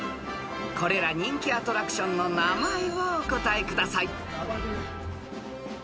［これら人気アトラクションの名前をお答えください］